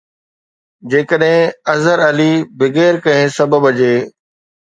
جيڪڏهن اظهر علي بغير ڪنهن سبب جي